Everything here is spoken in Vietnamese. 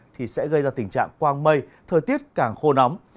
thì sẽ gây ra tình trạng quang mây thời tiết càng khô nóng